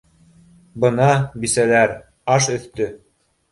Бына, бисәләр, аш өҫтө